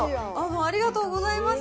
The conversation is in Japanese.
ありがとうございます。